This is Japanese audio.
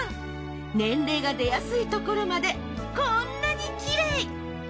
年齢が出やすいところまでこんなにきれい！